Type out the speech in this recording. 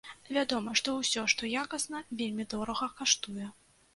Вядома, што ўсё, што якасна, вельмі дорага каштуе.